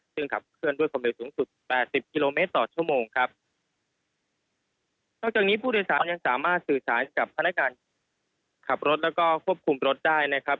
ซึ่งขับเคลื่อนด้วยความเร็วสูงสุดแปดสิบกิโลเมตรต่อชั่วโมงครับนอกจากนี้ผู้โดยสารยังสามารถสื่อสารกับพนักการขับรถแล้วก็ควบคุมรถได้นะครับ